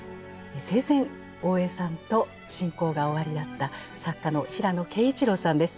生前大江さんと親交がおありだった作家の平野啓一郎さんです。